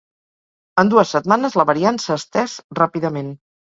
En dues setmanes la variant s’ha estès ràpidament.